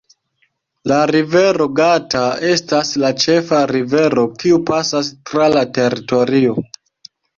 La Rivero Gata estas la ĉefa rivero kiu pasas tra la teritorio.